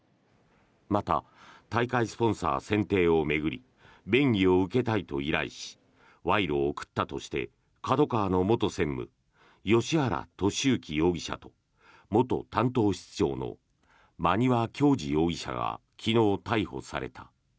また、大会スポンサー選定を巡り便宜を受けたいと依頼し賄賂を受け取ったとしＫＡＤＯＫＡＷＡの元専務芳原世幸容疑者と元担当室長の馬庭教二容疑者が昨日逮捕された。